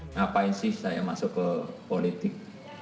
ngapain sih saya masuk ke politik